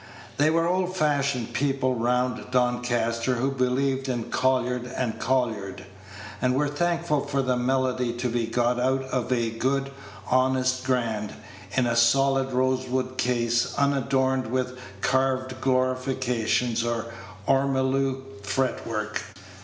There were old fashioned people round Doncaster who believed in Collard and Collard, and were thankful for the melody to be got out of a good, honest grand, in a solid rosewood case, unadorned with carved glorification or ormulu fretwork.